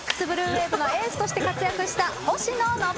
ウェーブのエースとして活躍した星野伸之さん。